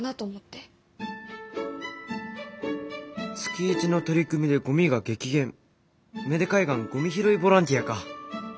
「月１の取り組みでゴミが激減芽出海岸ゴミ拾いボランティア」か。